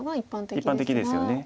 一般的ですよね。